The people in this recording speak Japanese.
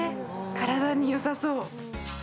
体によさそう。